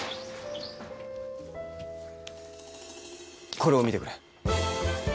これを見てくれ。